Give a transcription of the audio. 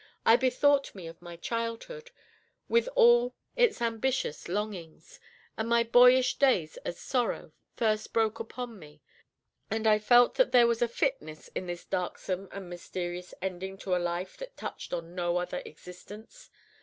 I bethought me of my childhood, with all its ambitious longings, and my boyish days as sorrow first broke upon me, and I felt that there was a fitness in this darksome and mysterious ending to a life that touched on no other existence.